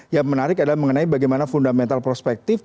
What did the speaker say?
yang menarik adalah mengenai bagaimana fundamental prospektif